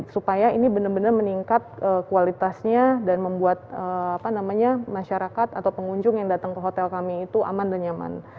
supaya ini benar benar meningkat kualitasnya dan membuat masyarakat atau pengunjung yang datang ke hotel kami itu aman dan nyaman